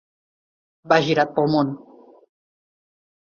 Va girat pel món.